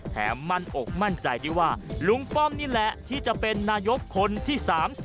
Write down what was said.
มั่นอกมั่นใจได้ว่าลุงป้อมนี่แหละที่จะเป็นนายกคนที่๓๐